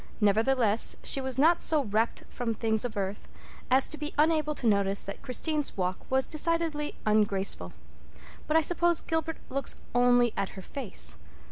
Nevertheless, she was not so rapt from things of earth as to be unable to notice that Christine's walk was decidedly ungraceful. "But I suppose Gilbert looks only at her face.